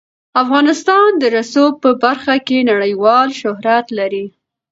افغانستان د رسوب په برخه کې نړیوال شهرت لري.